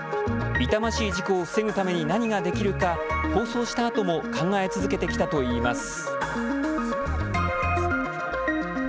痛ましい事故を防ぐために何ができるか、放送したあとも考え続けてきたといいます。